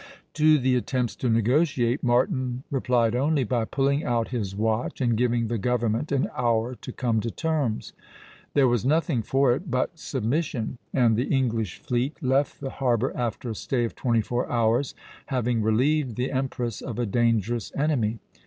To the attempts to negotiate, Martin replied only by pulling out his watch and giving the government an hour to come to terms. There was nothing for it but submission; and the English fleet left the harbor after a stay of twenty four hours, having relieved the empress of a dangerous enemy.